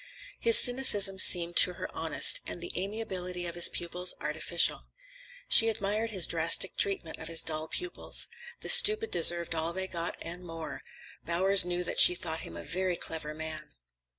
His cynicism seemed to her honest, and the amiability of his pupils artificial. She admired his drastic treatment of his dull pupils. The stupid deserved all they got, and more. Bowers knew that she thought him a very clever man.